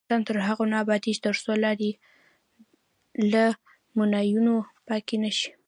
افغانستان تر هغو نه ابادیږي، ترڅو لارې له ماینونو پاکې نشي.